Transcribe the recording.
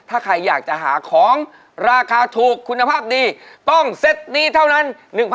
ถ้าใครอยากจะหาของราคาถูกคุณภาพดีต้องเซ็ตนี้เท่านั้น